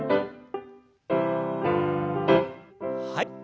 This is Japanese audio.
はい。